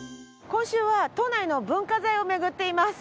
今週は都内の文化財を巡っています。